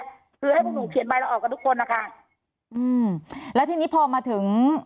คือให้พวกหนูเขียนใบละออกกันทุกคนนะคะอืมแล้วทีนี้พอมาถึง